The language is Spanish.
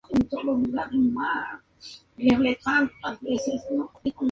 La Final Four se disputó en el Palau Sant Jordi de Barcelona.